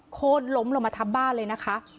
โคตรล้มลงมาทับบ้านเลยนะคะ